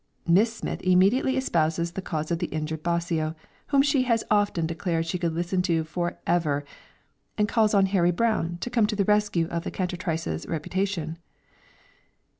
Miss Smith immediately espouses the cause of the injured Bosio, whom she has often declared she could listen to "forever," and calls on Harry Brown to come to the rescue of the cantatrice's reputation.